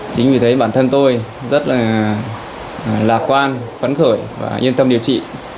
chính vì thế bản thân tôi rất là lạc quan vấn khởi và yên tâm điều trị